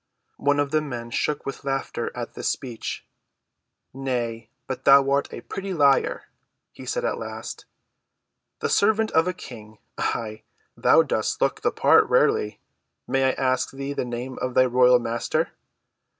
One of the men shook with laughter at this speech. "Nay, but thou art a pretty liar," he said at last. "The servant of a King! aye, thou dost look the part rarely! May I ask thee the name of thy royal Master?"